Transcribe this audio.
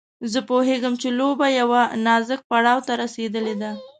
زه پوهېږم چې لوبه يوه نازک پړاو ته رسېدلې ده.